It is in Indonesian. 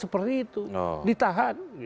seperti itu ditahan